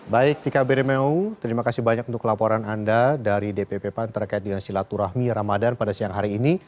baik tika berimewu terima kasih banyak untuk laporan anda dari dpppan terkait dengan silaturahmi ramadan pada siang hari ini